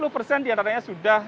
lima puluh persen diantaranya sudah